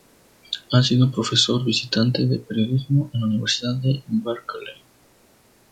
Ha sido profesor visitante de periodismo en la Universidad de Berkeley.